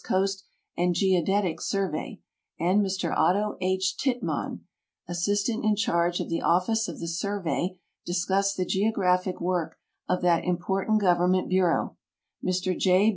Coast and Geodetic Survey, and Mr Otto H. Tittmann, Assistant in charge of the Oflice of the Survey, discussed the geographic work of that important gov ernment bureau; Mr J.